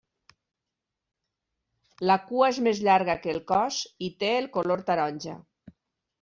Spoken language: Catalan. La cua és més llarga que el cos i té el color taronja.